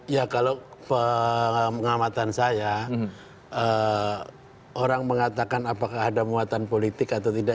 ya kalau pengamatan saya orang mengatakan apakah ada muatan politik atau tidak